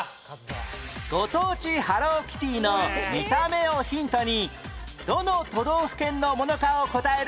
ご当地ハローキティの見た目をヒントにどの都道府県のものかを答える問題